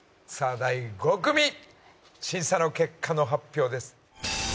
さあ第５組審査の結果の発表です。